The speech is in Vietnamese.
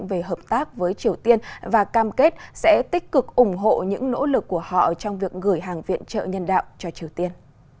về hợp tác với triều tiên và cam kết sẽ tích cực ủng hộ những nỗ lực của họ trong việc gửi hàng viện trợ nhân đạo cho triều tiên